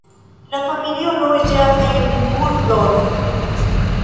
La familio loĝas en Burgdorf.